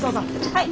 はい。